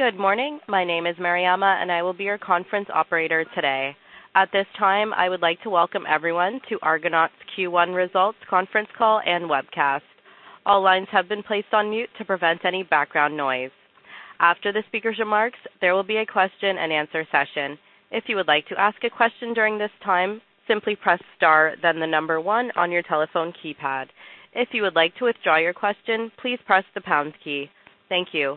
Good morning. My name is Mariama, and I will be your conference operator today. At this time, I would like to welcome everyone to Argonaut Gold's Q1 Results Conference Call and Webcast. All lines have been placed on mute to prevent any background noise. After the speaker's remarks, there will be a question and answer session. If you would like to ask a question during this time, simply press star then the number one on your telephone keypad. If you would like to withdraw your question, please press the pounds key. Thank you.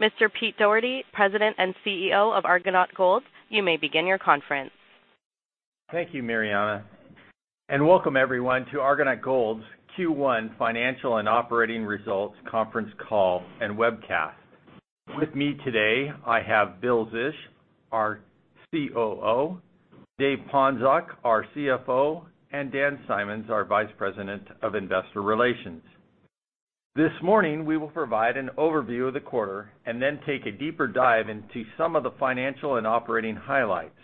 Mr. Pete Dougherty, President and CEO of Argonaut Gold, you may begin your conference. Thank you, Mariama, and welcome everyone to Argonaut Gold's Q1 Financial and Operating Results Conference Call and Webcast. With me today, I have Bill Zisch, our COO, David Ponczoch, our CFO, and Dan Symons, our Vice President of Investor Relations. This morning, we will provide an overview of the quarter and then take a deeper dive into some of the financial and operating highlights.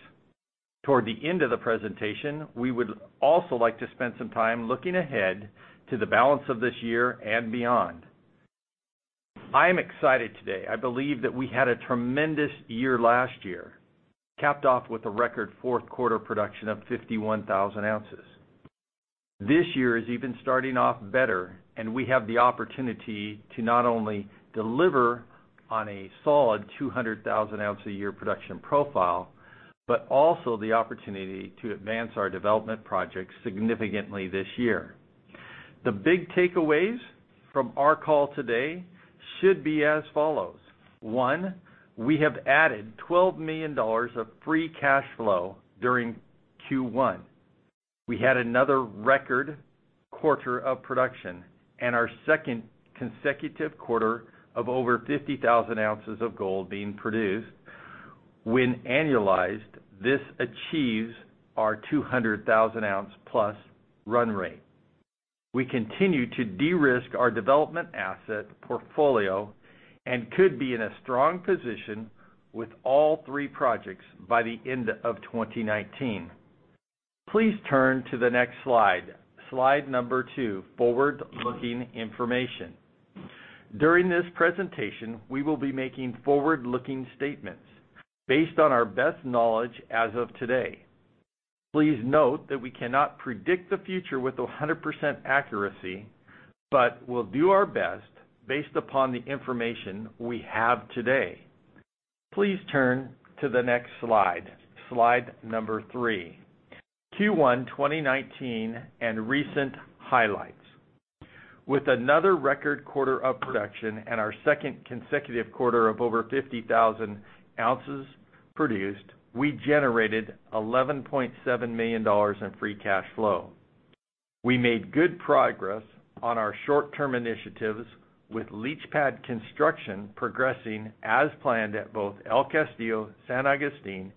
Toward the end of the presentation, we would also like to spend some time looking ahead to the balance of this year and beyond. I am excited today. I believe that we had a tremendous year last year, capped off with a record fourth quarter production of 51,000 ounces. This year is even starting off better. We have the opportunity to not only deliver on a solid 200,000 ounce a year production profile, but also the opportunity to advance our development projects significantly this year. The big takeaways from our call today should be as follows. One, we have added $12 million of free cash flow during Q1. We had another record quarter of production and our second consecutive quarter of over 50,000 ounces of gold being produced. When annualized, this achieves our 200,000 ounce plus run rate. We continue to de-risk our development asset portfolio and could be in a strong position with all three projects by the end of 2019. Please turn to the next slide number two, forward-looking information. During this presentation, we will be making forward-looking statements based on our best knowledge as of today. Please note that we cannot predict the future with 100% accuracy. We'll do our best based upon the information we have today. Please turn to the next slide number three, Q1 2019 and recent highlights. With another record quarter of production and our second consecutive quarter of over 50,000 ounces produced, we generated $11.7 million in free cash flow. We made good progress on our short-term initiatives with leach pad construction progressing as planned at both El Castillo, San Agustin,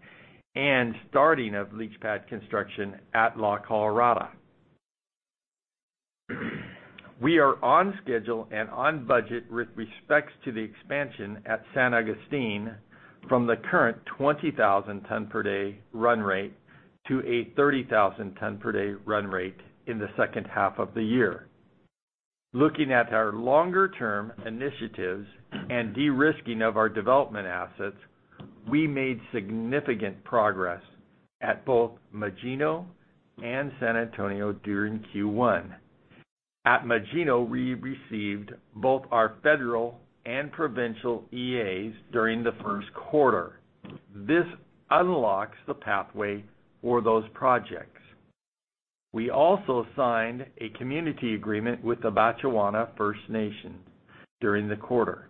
and starting of leach pad construction at La Colorada. We are on schedule and on budget with respects to the expansion at San Agustin from the current 20,000 ton per day run rate to a 30,000 ton per day run rate in the second half of the year. Looking at our longer term initiatives and de-risking of our development assets, we made significant progress at both Magino and San Antonio during Q1. At Magino, we received both our federal and provincial EAs during the first quarter. This unlocks the pathway for those projects. We also signed a community agreement with the Batchewana First Nation during the quarter.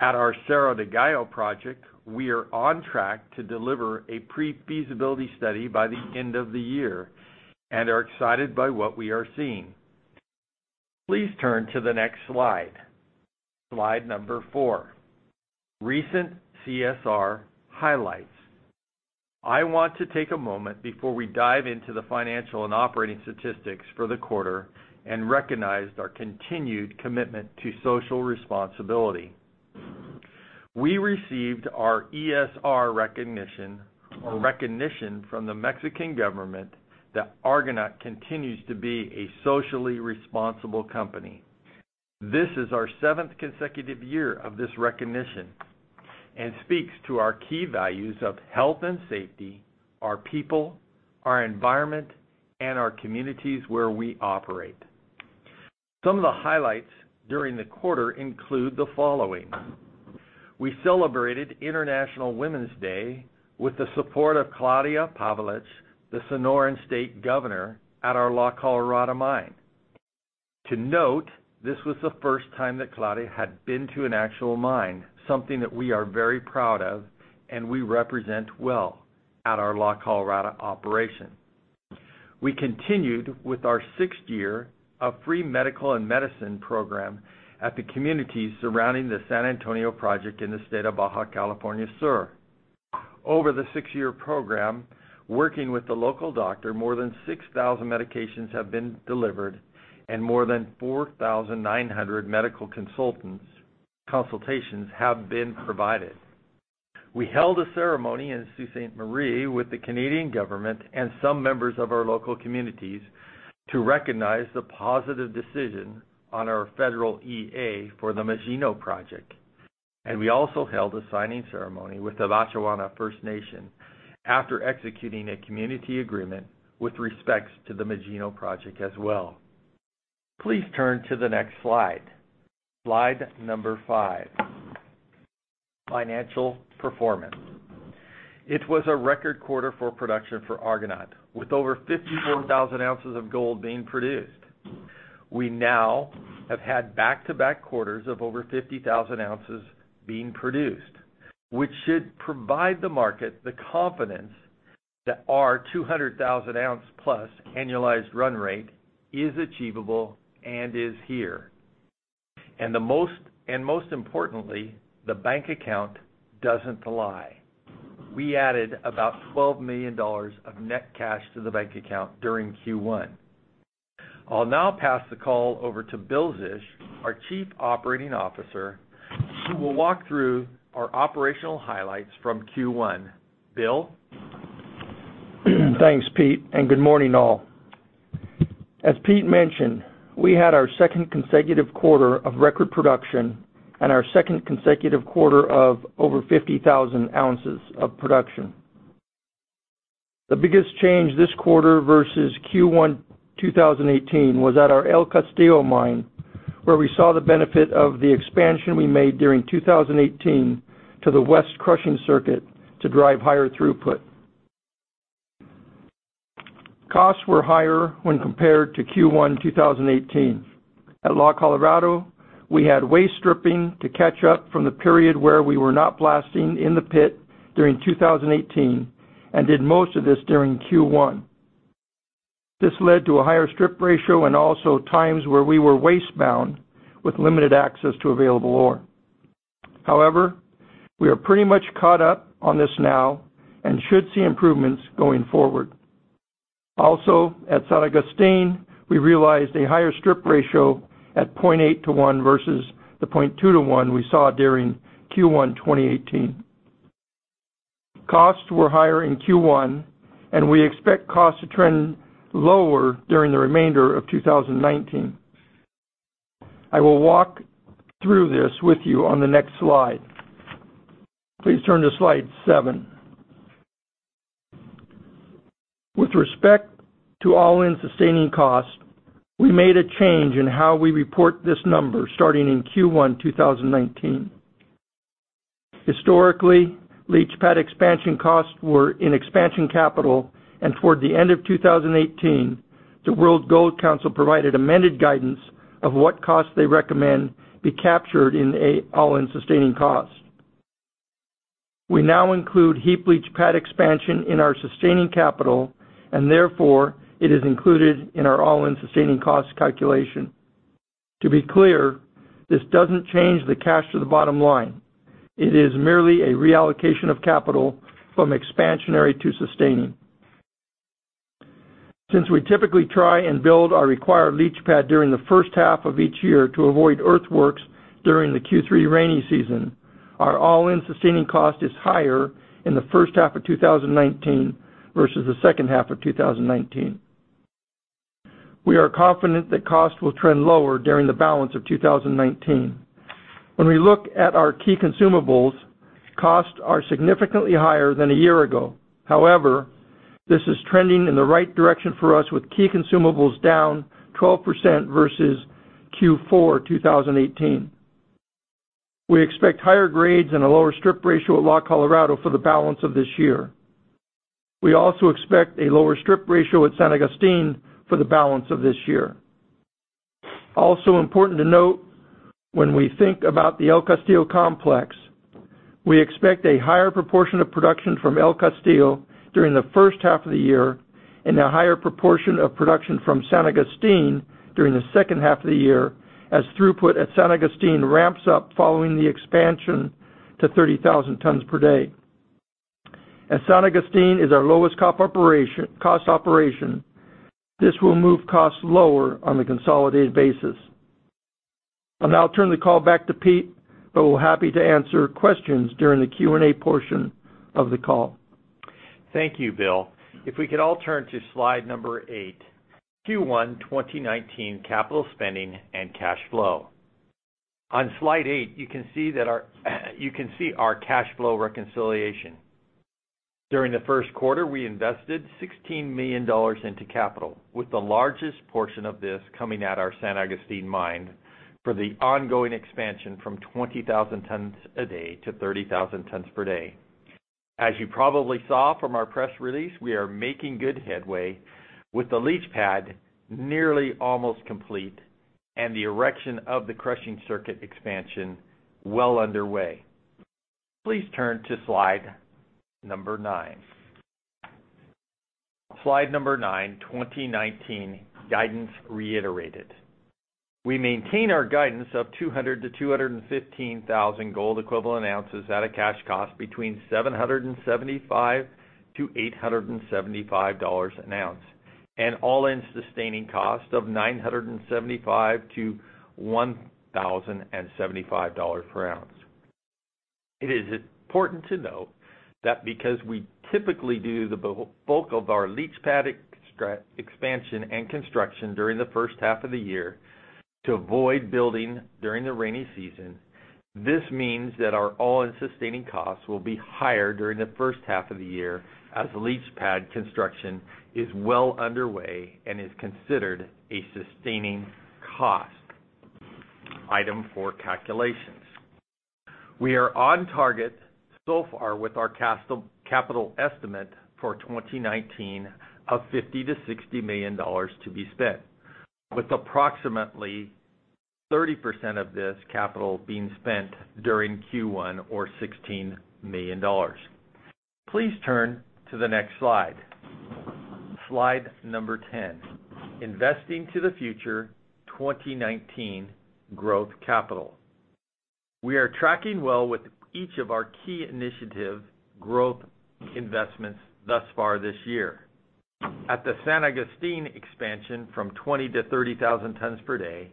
At our Cerro del Gallo project, we are on track to deliver a pre-feasibility study by the end of the year and are excited by what we are seeing. Please turn to the next slide number four, recent CSR highlights. I want to take a moment before we dive into the financial and operating statistics for the quarter and recognize our continued commitment to social responsibility. We received our ESR recognition, a recognition from the Mexican government that Argonaut continues to be a socially responsible company. This is our seventh consecutive year of this recognition and speaks to our key values of health and safety, our people, our environment, and our communities where we operate. Some of the highlights during the quarter include the following. We celebrated International Women's Day with the support of Claudia Pavlovich, the Sonoran State Governor at our La Colorada mine. To note, this was the first time that Claudia had been to an actual mine, something that we are very proud of and we represent well at our La Colorada operation. We continued with our sixth year of free medical and medicine program at the communities surrounding the San Antonio project in the state of Baja California Sur. Over the six-year program, working with the local doctor, more than 6,000 medications have been delivered and more than 4,900 medical consultations have been provided. We held a ceremony in Sault Ste. Marie with the Canadian government and some members of our local communities to recognize the positive decision on our federal EA for the Magino project. We also held a signing ceremony with the Batchewana First Nation after executing a community agreement with respects to the Magino project as well. Please turn to the next slide. Slide number five. Financial performance. It was a record quarter for production for Argonaut, with over 54,000 ounces of gold being produced. We now have had back-to-back quarters of over 50,000 ounces being produced, which should provide the market the confidence that our 200,000-ounce plus annualized run rate is achievable and is here. Most importantly, the bank account doesn't lie. We added about $12 million of net cash to the bank account during Q1. I'll now pass the call over to Bill Zisch, our Chief Operating Officer, who will walk through our operational highlights from Q1. Bill? Thanks, Pete. Good morning, all. As Pete mentioned, we had our second consecutive quarter of record production and our second consecutive quarter of over 50,000 ounces of production. The biggest change this quarter versus Q1 2018 was at our El Castillo mine, where we saw the benefit of the expansion we made during 2018 to the west crushing circuit to drive higher throughput. Costs were higher when compared to Q1 2018. At La Colorada, we had waste stripping to catch up from the period where we were not blasting in the pit during 2018 and did most of this during Q1. This led to a higher strip ratio and also times where we were waste-bound with limited access to available ore. We are pretty much caught up on this now and should see improvements going forward. At San Agustin, we realized a higher strip ratio at 0.8:1 versus the 0.2:1 we saw during Q1 2018. Costs were higher in Q1. We expect costs to trend lower during the remainder of 2019. I will walk through this with you on the next slide. Please turn to slide seven. With respect to all-in sustaining costs, we made a change in how we report this number starting in Q1 2019. Historically, leach pad expansion costs were in expansion capital. Toward the end of 2018, the World Gold Council provided amended guidance of what costs they recommend be captured in an all-in sustaining cost. We now include heap leach pad expansion in our sustaining capital. Therefore, it is included in our all-in sustaining cost calculation. To be clear, this doesn't change the cash to the bottom line. It is merely a reallocation of capital from expansionary to sustaining. Since we typically try and build our required leach pad during the first half of each year to avoid earthworks during the Q3 rainy season, our all-in sustaining cost is higher in the first half of 2019 versus the second half of 2019. We are confident that costs will trend lower during the balance of 2019. When we look at our key consumables, costs are significantly higher than a year ago. This is trending in the right direction for us with key consumables down 12% versus Q4 2018. We expect higher grades and a lower strip ratio at La Colorada for the balance of this year. We also expect a lower strip ratio at San Agustin for the balance of this year. Important to note, when we think about the El Castillo complex, we expect a higher proportion of production from El Castillo during the first half of the year and a higher proportion of production from San Agustin during the second half of the year, as throughput at San Agustin ramps up following the expansion to 30,000 tons per day. As San Agustin is our lowest cost operation, this will move costs lower on a consolidated basis. I'll now turn the call back to Pete. We're happy to answer questions during the Q&A portion of the call. Thank you, Bill. If we could all turn to slide number eight, Q1 2019 capital spending and cash flow. On slide eight, you can see our cash flow reconciliation. During the first quarter, we invested $16 million into capital, with the largest portion of this coming at our San Agustin mine for the ongoing expansion from 20,000 tons a day to 30,000 tons per day. As you probably saw from our press release, we are making good headway with the leach pad nearly almost complete and the erection of the crushing circuit expansion well underway. Please turn to slide number nine. Slide number nine, 2019 guidance reiterated. We maintain our guidance of 200,000 to 215,000 gold equivalent ounces at a cash cost between $775-$875 an ounce. All-in sustaining cost of $975-$1,075 per ounce. It is important to note that because we typically do the bulk of our leach pad expansion and construction during the first half of the year to avoid building during the rainy season, this means that our all-in sustaining costs will be higher during the first half of the year as the leach pad construction is well underway and is considered a sustaining cost item for calculations. We are on target so far with our capital estimate for 2019 of $50 million-$60 million to be spent, with approximately 30% of this capital being spent during Q1, or $16 million. Please turn to the next slide. Slide number 10, Investing to the Future 2019 Growth Capital. We are tracking well with each of our key initiative growth investments thus far this year. At the San Agustin expansion from 20,000 to 30,000 tons per day,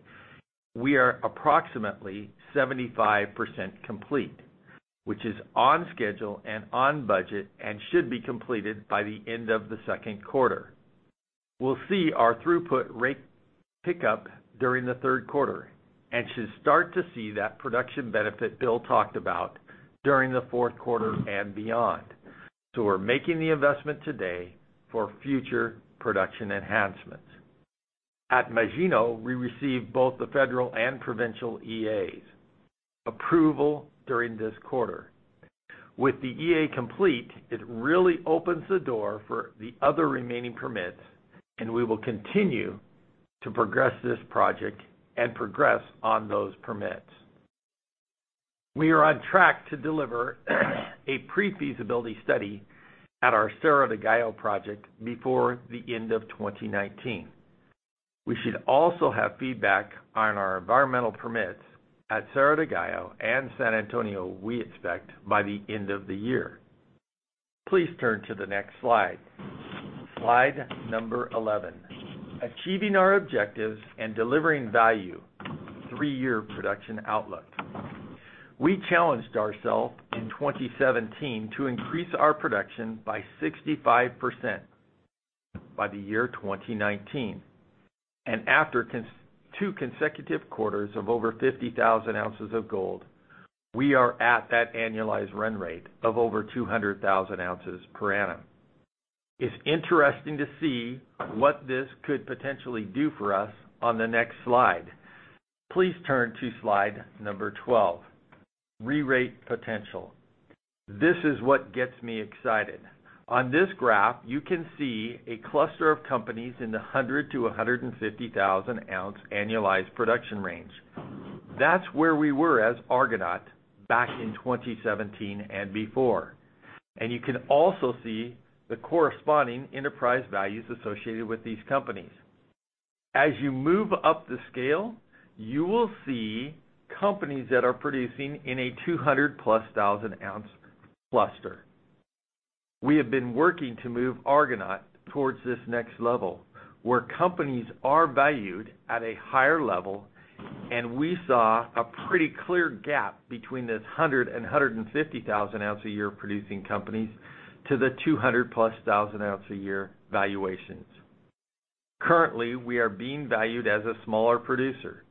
we are approximately 75% complete, which is on schedule and on budget, and should be completed by the end of the second quarter. We'll see our throughput rate pick up during the third quarter and should start to see that production benefit Bill talked about during the fourth quarter and beyond. We're making the investment today for future production enhancements. At Magino, we received both the federal and provincial EAs approval during this quarter. With the EA complete, it really opens the door for the other remaining permits, and we will continue to progress this project and progress on those permits. We are on track to deliver a pre-feasibility study at our Cerro del Gallo project before the end of 2019. We should also have feedback on our environmental permits at Cerro del Gallo and San Antonio, we expect by the end of the year. Please turn to the next slide. Slide number 11. Achieving Our Objectives and Delivering Value. Three-Year Production Outlook. We challenged ourselves in 2017 to increase our production by 65% by the year 2019. After two consecutive quarters of over 50,000 ounces of gold, we are at that annualized run rate of over 200,000 ounces per annum. It's interesting to see what this could potentially do for us on the next slide. Please turn to slide number 12, Rerate Potential. This is what gets me excited. On this graph, you can see a cluster of companies in the 100,000 to 150,000 ounce annualized production range. That's where we were as Argonaut back in 2017 and before. You can also see the corresponding enterprise values associated with these companies. As you move up the scale, you will see companies that are producing in a 200-plus thousand ounce cluster. We have been working to move Argonaut towards this next level, where companies are valued at a higher level, and we saw a pretty clear gap between the 100,000 and 150,000 ounce a year producing companies to the 200-plus thousand ounce a year valuations. Currently, we are being valued as a smaller producer.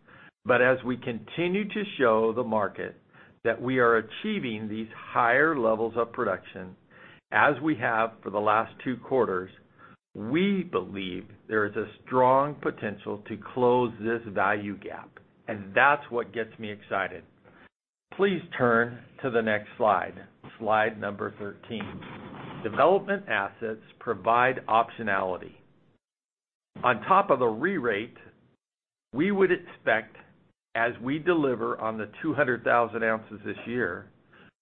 As we continue to show the market that we are achieving these higher levels of production, as we have for the last two quarters, we believe there is a strong potential to close this value gap, and that's what gets me excited. Please turn to the next slide. Slide number 13, Development Assets Provide Optionality. On top of the re-rate, we would expect as we deliver on the 200,000 ounces this year,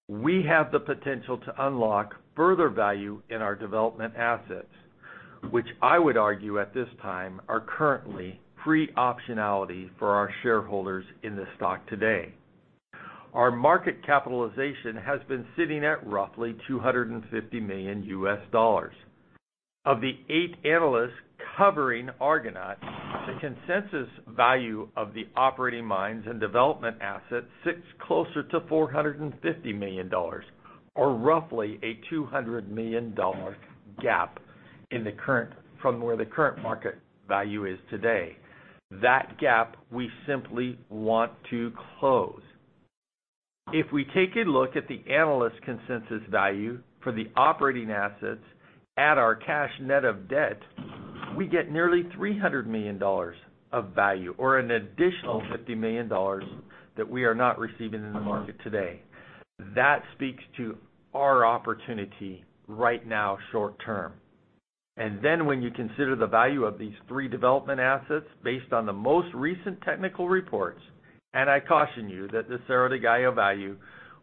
we have the potential to unlock further value in our development assets, which I would argue at this time are currently free optionality for our shareholders in the stock today. Our market capitalization has been sitting at roughly $250 million U.S. Of the eight analysts covering Argonaut, the consensus value of the operating mines and development assets sits closer to $450 million, or roughly a $200 million gap from where the current market value is today. That gap we simply want to close. If we take a look at the analyst consensus value for the operating assets at our cash net of debt, we get nearly $300 million of value, or an additional $50 million that we are not receiving in the market today. That speaks to our opportunity right now short term. When you consider the value of these three development assets, based on the most recent technical reports, and I caution you that the Cerro del Gallo value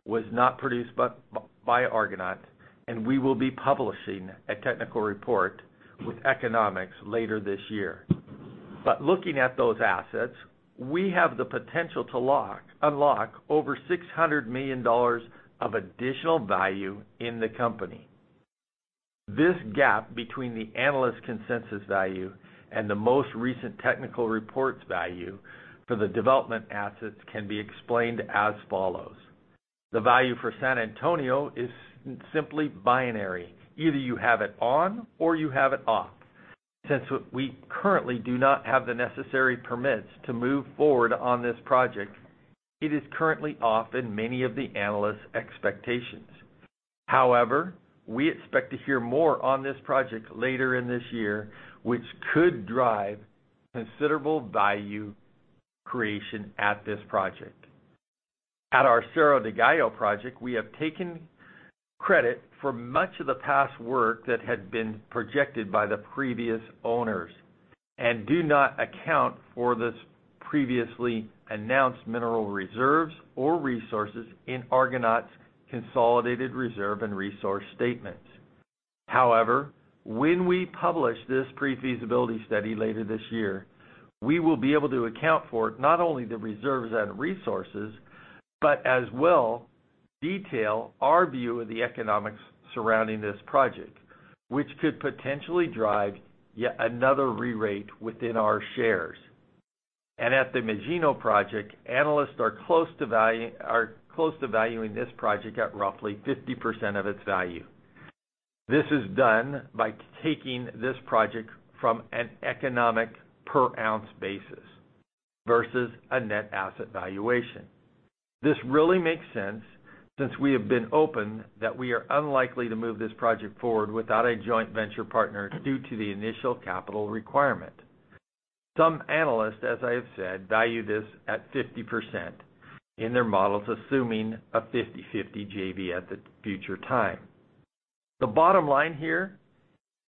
was not produced by Argonaut, we will be publishing a technical report with economics later this year. But looking at those assets, we have the potential to unlock over $600 million of additional value in the company. This gap between the analyst consensus value and the most recent technical reports value for the development assets can be explained as follows. The value for San Antonio is simply binary. Either you have it on or you have it off. Since we currently do not have the necessary permits to move forward on this project, it is currently off in many of the analysts' expectations. However, we expect to hear more on this project later in this year, which could drive considerable value creation at this project. At our Cerro del Gallo project, we have taken credit for much of the past work that had been projected by the previous owners and do not account for this previously announced mineral reserves or resources in Argonaut's consolidated reserve and resource statements. However, when we publish this pre-feasibility study later this year, we will be able to account for not only the reserves and resources, but as well detail our view of the economics surrounding this project, which could potentially drive yet another re-rate within our shares. At the Magino project, analysts are close to valuing this project at roughly 50% of its value. This is done by taking this project from an economic per-ounce basis versus a net asset valuation. This really makes sense since we have been open that we are unlikely to move this project forward without a joint venture partner due to the initial capital requirement. Some analysts, as I have said, value this at 50% in their models, assuming a 50/50 JV at the future time. The bottom line here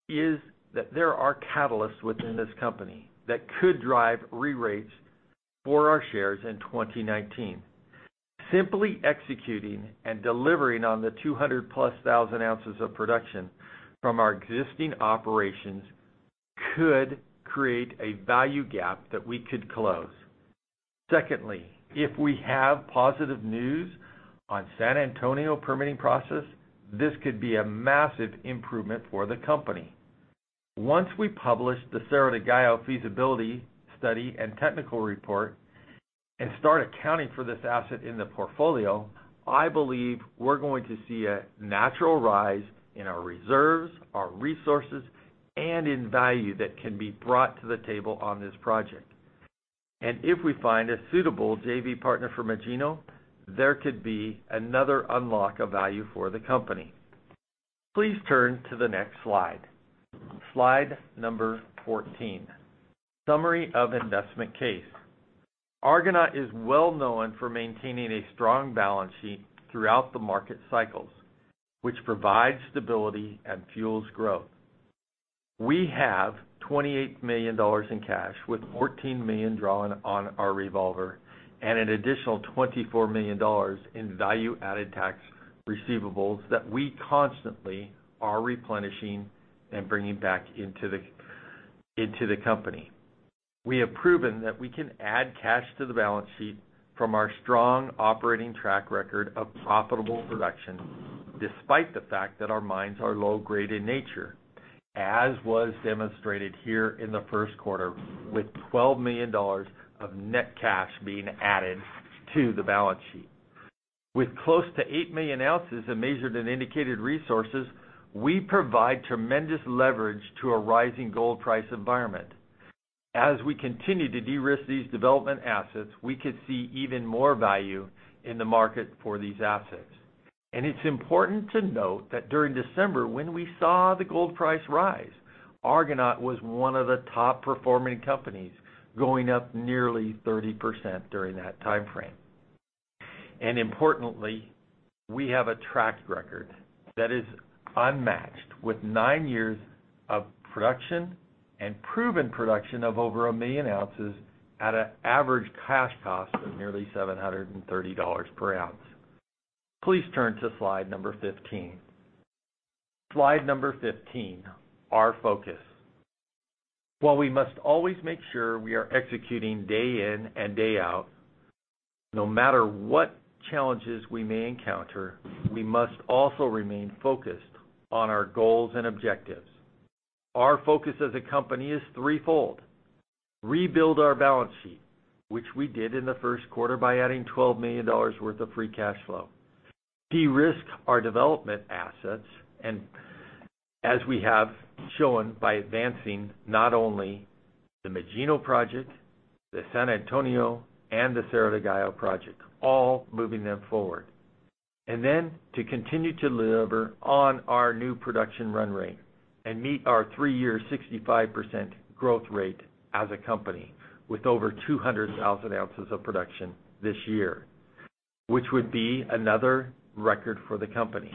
is that there are catalysts within this company that could drive re-rates for our shares in 2019. Simply executing and delivering on the 200-plus thousand ounces of production from our existing operations could create a value gap that we could close. Secondly, if we have positive news on San Antonio permitting process, this could be a massive improvement for the company. Once we publish the Cerro del Gallo feasibility study and technical report and start accounting for this asset in the portfolio, I believe we're going to see a natural rise in our reserves, our resources, and in value that can be brought to the table on this project. If we find a suitable JV partner for Magino, there could be another unlock of value for the company. Please turn to the next slide. Slide number 14, summary of investment case. Argonaut is well known for maintaining a strong balance sheet throughout the market cycles, which provides stability and fuels growth. We have $28 million in cash, with $14 million drawn on our revolver and an additional $24 million in value-added tax receivables that we constantly are replenishing and bringing back into the company. We have proven that we can add cash to the balance sheet from our strong operating track record of profitable production, despite the fact that our mines are low grade in nature, as was demonstrated here in the first quarter with $12 million of net cash being added to the balance sheet. With close to 8 million ounces of measured and indicated resources, we provide tremendous leverage to a rising gold price environment. As we continue to de-risk these development assets, we could see even more value in the market for these assets. It's important to note that during December, when we saw the gold price rise, Argonaut was one of the top-performing companies, going up nearly 30% during that timeframe. Importantly, we have a track record that is unmatched with nine years of production and proven production of over 1 million ounces at an average cash cost of nearly $730 per ounce. Please turn to slide number 15. Slide number 15, our focus. While we must always make sure we are executing day in and day out, no matter what challenges we may encounter, we must also remain focused on our goals and objectives. Our focus as a company is threefold. Rebuild our balance sheet, which we did in the first quarter by adding $12 million worth of free cash flow. De-risk our development assets, as we have shown by advancing not only the Magino project, the San Antonio, and the Cerro del Gallo project, all moving them forward. To continue to deliver on our new production run rate and meet our three-year 65% growth rate as a company with over 200,000 ounces of production this year, which would be another record for the company.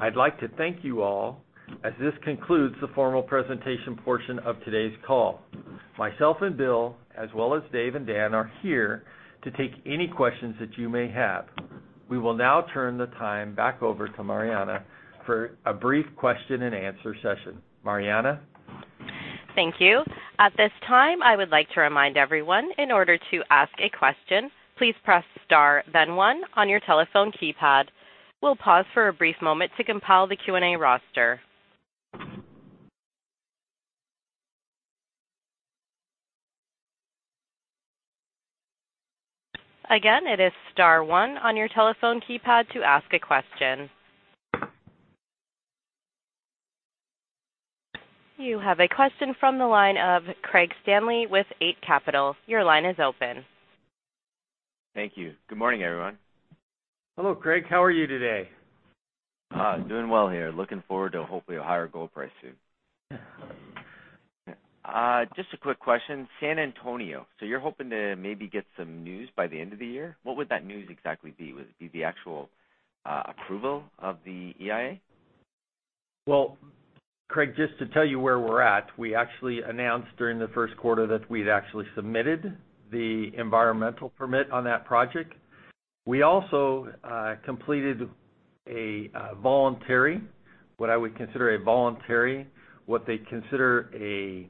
I'd like to thank you all as this concludes the formal presentation portion of today's call. Myself and Bill, as well as Dave and Dan, are here to take any questions that you may have. We will now turn the time back over to Mariama for a brief question and answer session. Mariama? Thank you. At this time, I would like to remind everyone, in order to ask a question, please press star then one on your telephone keypad. We'll pause for a brief moment to compile the Q&A roster. Again, it is star one on your telephone keypad to ask a question. You have a question from the line of Craig Stanley with Eight Capital. Your line is open. Thank you. Good morning, everyone. Hello, Craig. How are you today? Doing well here. Looking forward to hopefully a higher gold price soon. Just a quick question. San Antonio, you're hoping to maybe get some news by the end of the year? What would that news exactly be? Would it be the actual approval of the EIA? Well, Craig, just to tell you where we're at, we actually announced during the first quarter that we'd actually submitted the environmental permit on that project. We also completed what I would consider a voluntary, what they'd consider a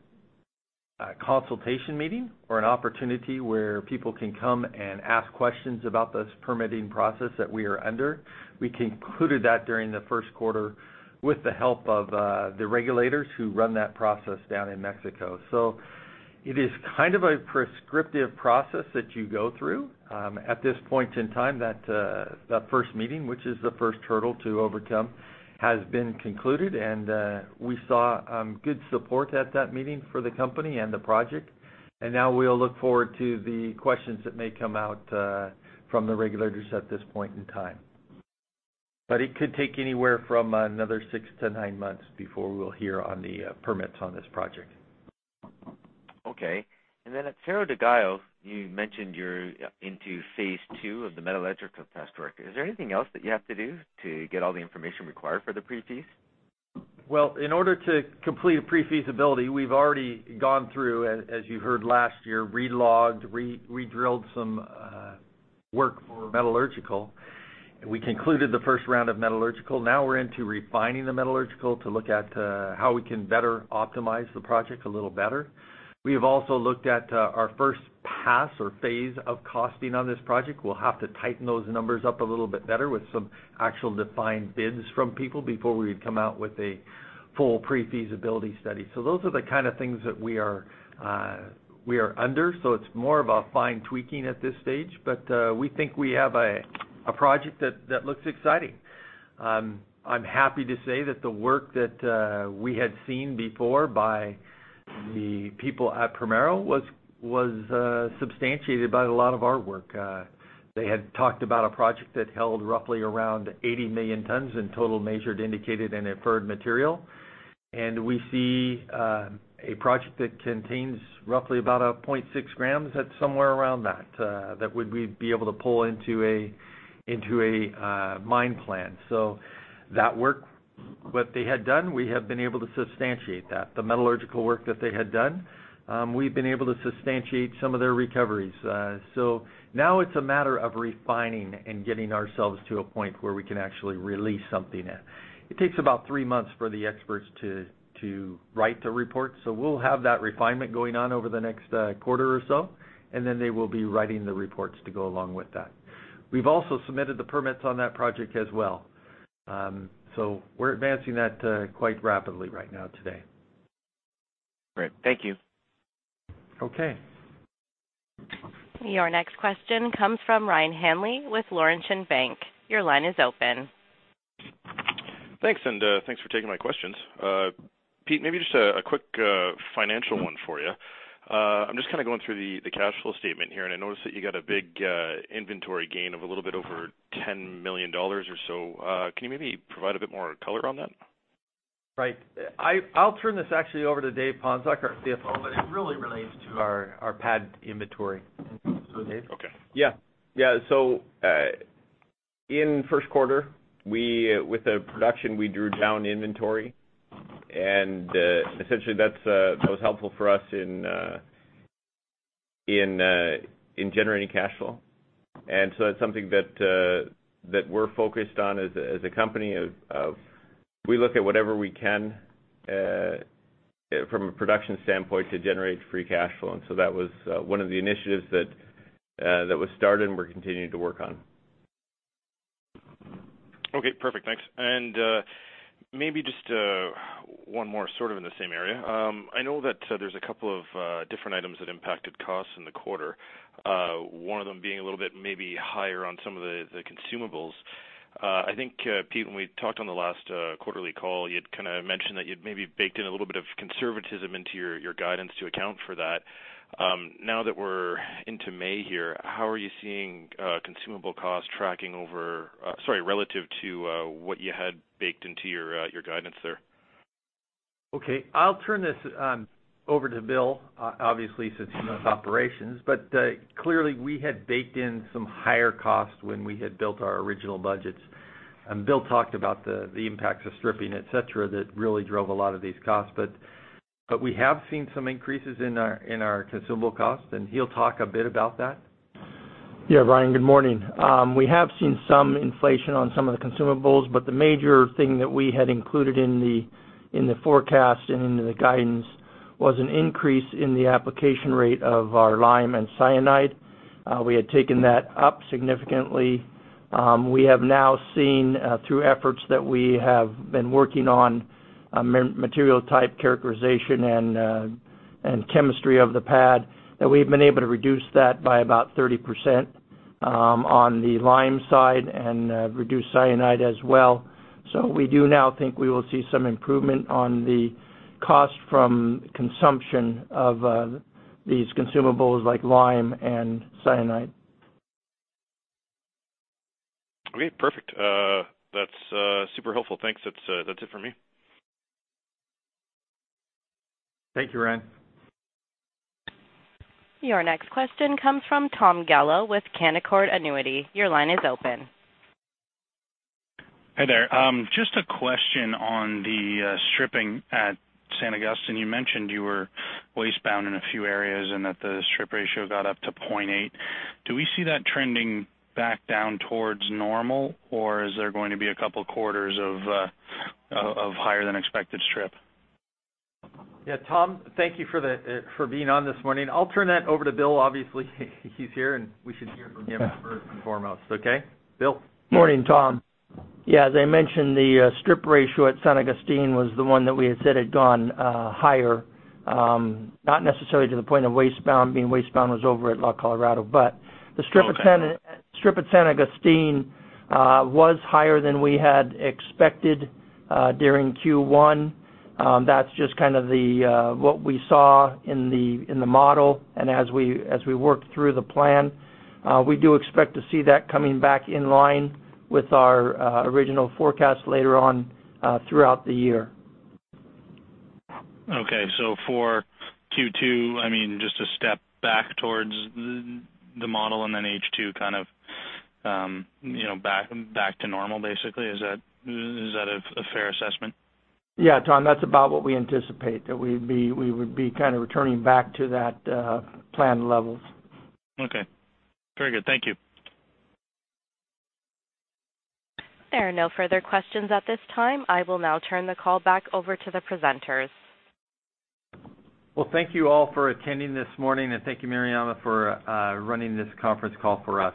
consultation meeting or an opportunity where people can come and ask questions about this permitting process that we are under. We concluded that during the first quarter with the help of the regulators who run that process down in Mexico. It is kind of a prescriptive process that you go through. At this point in time, that first meeting, which is the first hurdle to overcome, has been concluded, and we saw good support at that meeting for the company and the project. Now we'll look forward to the questions that may come out from the regulators at this point in time. It could take anywhere from another six to nine months before we'll hear on the permits on this project. Okay. At Cerro del Gallo, you mentioned you're into phase two of the metallurgical test work. Is there anything else that you have to do to get all the information required for the pre-feas? In order to complete a pre-feasibility, we've already gone through, as you heard last year, re-logged, re-drilled some work for metallurgical. We concluded the first round of metallurgical. Now we're into refining the metallurgical to look at how we can better optimize the project a little better. We have also looked at our first pass or phase of costing on this project. We'll have to tighten those numbers up a little bit better with some actual defined bids from people before we would come out with a full pre-feasibility study. Those are the kind of things that we are under. It's more about fine tweaking at this stage. We think we have a project that looks exciting. I'm happy to say that the work that we had seen before by the people at Primero was substantiated by a lot of our work. They had talked about a project that held roughly around 80 million tons in total measured, indicated, and inferred material. We see a project that contains roughly about a 0.6 grams at somewhere around that would we be able to pull into a mine plan. That work, what they had done, we have been able to substantiate that. The metallurgical work that they had done, we've been able to substantiate some of their recoveries. Now it's a matter of refining and getting ourselves to a point where we can actually release something. It takes about three months for the experts to write the report. We'll have that refinement going on over the next quarter or so, and then they will be writing the reports to go along with that. We've also submitted the permits on that project as well. We're advancing that quite rapidly right now today. Great. Thank you. Okay. Your next question comes from Ryan Hanley with Laurentian Bank. Your line is open. Thanks for taking my questions. Pete, maybe just a quick financial one for you. I'm just kind of going through the cash flow statement here, and I noticed that you got a big inventory gain of a little bit over $10 million or so. Can you maybe provide a bit more color on that? Right. I'll turn this actually over to David Ponczoch, our CFO. It really relates to our pad inventory. Dave? Okay. Yeah. In the first quarter, with the production, we drew down inventory. Essentially that was helpful for us in generating cash flow. That's something that we're focused on as a company of we look at whatever we can from a production standpoint to generate free cash flow. That was one of the initiatives that was started and we're continuing to work on. Okay, perfect. Thanks. Maybe just one more sort of in the same area. I know that there's a couple of different items that impacted costs in the quarter. One of them being a little bit maybe higher on some of the consumables. I think, Pete, when we talked on the last quarterly call, you'd kind of mentioned that you'd maybe baked in a little bit of conservatism into your guidance to account for that. Now that we're into May here, how are you seeing consumable costs tracking over Sorry, relative to what you had baked into your guidance there? Okay. I'll turn this over to Bill, obviously, since he knows operations. Clearly, we had baked in some higher costs when we had built our original budgets. Bill talked about the impacts of stripping, et cetera, that really drove a lot of these costs. We have seen some increases in our consumable cost, and he'll talk a bit about that. Yeah, Ryan, good morning. We have seen some inflation on some of the consumables. The major thing that we had included in the forecast and into the guidance was an increase in the application rate of our lime and cyanide. We had taken that up significantly. We have now seen, through efforts that we have been working on, material type characterization and chemistry of the pad, that we've been able to reduce that by about 30% on the lime side and reduce cyanide as well. We do now think we will see some improvement on the cost from consumption of these consumables like lime and cyanide. Great, perfect. That's super helpful. Thanks. That's it for me. Thank you, Ryan. Your next question comes from Tom Gallo with Canaccord Genuity. Your line is open. Hi there. Just a question on the stripping at San Agustin. You mentioned you were wastebound in a few areas and that the strip ratio got up to 0.8. Do we see that trending back down towards normal, or is there going to be a couple quarters of higher than expected strip? Yeah, Tom, thank you for being on this morning. I'll turn that over to Bill, obviously he's here, and we should hear from him first and foremost. Okay. Bill? Morning, Tom. As I mentioned, the strip ratio at San Agustin was the one that we had said had gone higher. Not necessarily to the point of wastebound, being wastebound was over at La Colorada. Okay Strip at San Agustin was higher than we had expected during Q1. That's just kind of what we saw in the model, and as we worked through the plan. We do expect to see that coming back in line with our original forecast later on, throughout the year. Okay. For Q2, just a step back towards the model and then H2 kind of back to normal basically. Is that a fair assessment? Tom, that's about what we anticipate, that we would be kind of returning back to that planned levels. Okay. Very good. Thank you. There are no further questions at this time. I will now turn the call back over to the presenters. Well, thank you all for attending this morning, and thank you Mariana for running this conference call for us.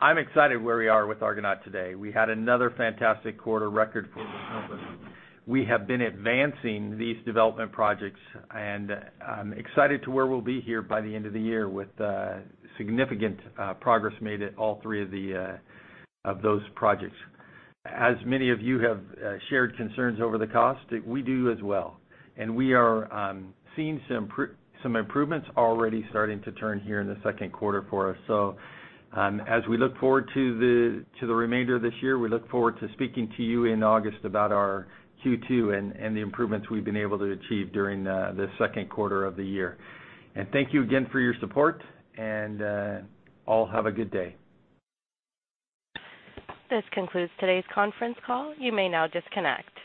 I'm excited where we are with Argonaut today. We had another fantastic quarter, record for the company. We have been advancing these development projects and I'm excited to where we'll be here by the end of the year with significant progress made at all three of those projects. As many of you have shared concerns over the cost, we do as well, and we are seeing some improvements already starting to turn here in the second quarter for us. As we look forward to the remainder of this year, we look forward to speaking to you in August about our Q2 and the improvements we've been able to achieve during the second quarter of the year. Thank you again for your support, and all have a good day. This concludes today's conference call. You may now disconnect.